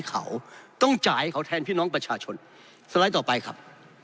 เขาต้องจ่ายให้เขาแทนพี่น้องประชาชนสไลด์ต่อไปครับ